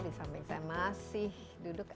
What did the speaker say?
di samping saya masih duduk